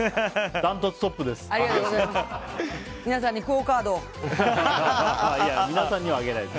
ダントツトップです。